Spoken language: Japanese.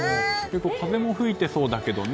風も吹いてそうだけどね。